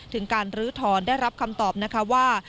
ถึงการลื้อถอนได้รับคำตอบนะคะว่า